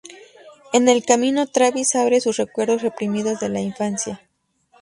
En el camino, Travis abre sus recuerdos reprimidos de la infancia.